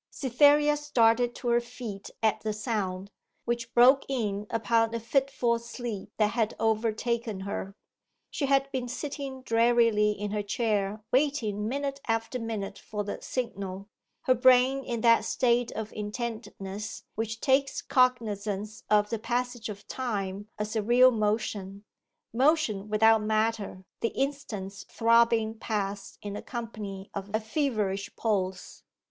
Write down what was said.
Cytherea started to her feet at the sound, which broke in upon a fitful sleep that had overtaken her. She had been sitting drearily in her chair waiting minute after minute for the signal, her brain in that state of intentness which takes cognizance of the passage of Time as a real motion motion without matter the instants throbbing past in the company of a feverish pulse.